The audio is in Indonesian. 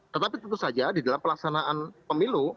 tetapi tentu saja di dalam pelaksanaan pemilu